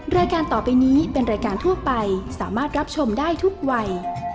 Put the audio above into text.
รายการต่อไปนี้เป็นรายการทั่วไปสามารถรับชมได้ทุกวัย